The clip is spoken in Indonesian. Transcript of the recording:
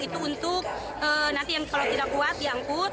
itu untuk nanti yang kalau tidak kuat diangkut